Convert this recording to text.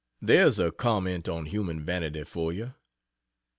There's a comment on human vanity for you!